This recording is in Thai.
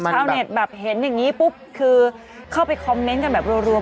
ชาวเน็ตแบบเห็นอย่างนี้ปุ๊บคือเข้าไปคอมเมนต์กันแบบรวม